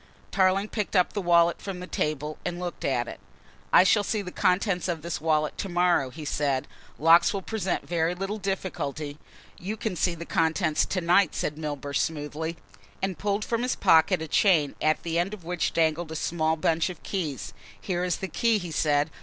Tarling picked up the wallet from the table and looked at it. "I shall see the contents of this wallet to morrow," he said. "Locks will present very little difficulty " "You can read the contents to night," said Milburgh smoothly, and pulled from his pocket a chain, at the end of which dangled a small bunch of keys. "Here is the key," he said.